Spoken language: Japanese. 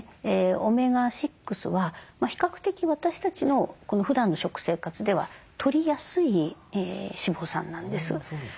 オメガ６は比較的私たちのふだんの食生活ではとりやすい脂肪酸なんです。